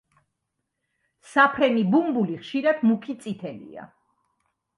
საფრენი ბუმბული ხშირად მუქი წითელია.